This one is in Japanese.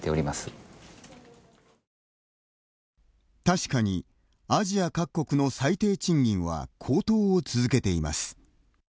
確かに、アジア各国の最低賃金は高騰を続けています。